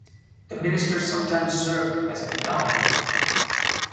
The minister sometimes served as the dominie.